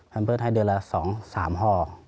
แพมเพิร์ตให้เดือนละสองสามห้อ